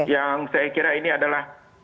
yang saya kira ini adalah